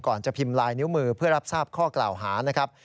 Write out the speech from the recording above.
ก่อนจะพิมพ์ไลน์นิ้วมือเพื่อรับทราบข้อกล่าวหา